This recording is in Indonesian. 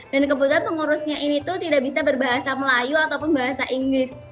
dan kebetulan pengurusnya ini tuh tidak bisa berbahasa melayu ataupun bahasa inggris